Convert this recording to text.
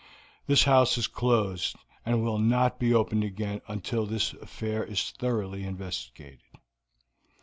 This house is closed, and will not be opened again until this affair is thoroughly investigated."